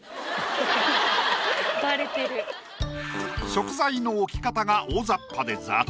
食材の置き方が大ざっぱで雑。